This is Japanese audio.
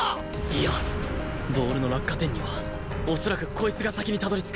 いやボールの落下点には恐らくこいつが先にたどり着く